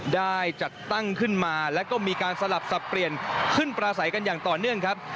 ได้จัดตั้งขึ้นมาแล้วก็มีการสลับสับเปลี่ยนขึ้นปลาใสกันอย่างต่อเนื่องครับ